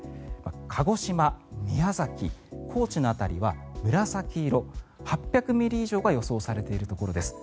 鹿児島、宮崎、高知の辺りは紫色８００ミリ以上が予想されているところです。